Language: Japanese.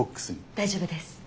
大丈夫です。